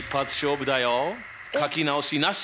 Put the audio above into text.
かき直しなし！